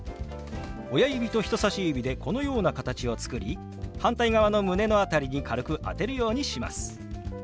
親指と人さし指でこのような形を作り反対側の胸の辺りに軽く当てるようにします。